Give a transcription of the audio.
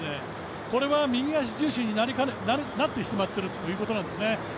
これは右足重心になってしまっているということなんですね。